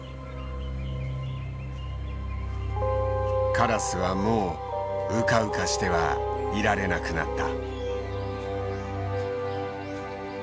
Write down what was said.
カラスはもううかうかしてはいられなくなった。